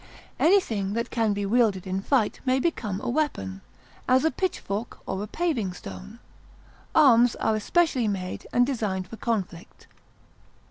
Anything that can be wielded in fight may become a weapon, as a pitchfork or a paving stone; arms are especially made and designed for conflict.